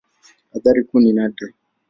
Athari kuu ni nadra.